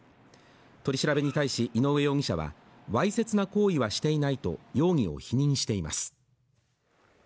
取り調べに対し井上容疑者はわいせつな行為はしていないと容疑を否認しています